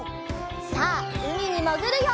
さあうみにもぐるよ！